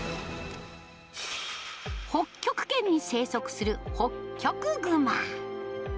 北極圏に生息するホッキョクグマ。